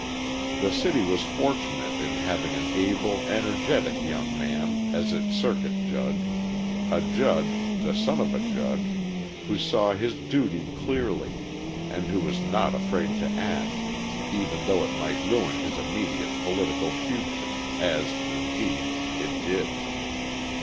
The city was fortunate in having an able, energetic young man as its circuit judge a judge, the son of a judge, who saw his duty clearly, and who was not afraid to act, even though it might ruin his immediate political future, as, indeed, it did.